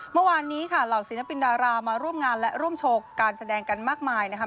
เมื่อวานนี้ค่ะเหล่าศิลปินดารามาร่วมงานและร่วมโชว์การแสดงกันมากมายนะครับ